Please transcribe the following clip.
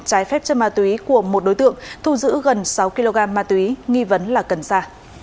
trái phép chân ma túy của một đối tượng thu giữ gần sáu kg ma túy nghi vấn là cần sa